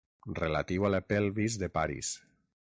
Relatiu a la pelvis de Paris.